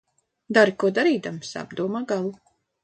Dari ko darīdams, apdomā galu.